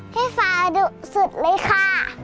พี่สาดุสุดเลยค่ะ